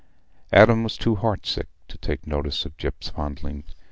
Adam was too heart sick to take notice of Gyp's fondling.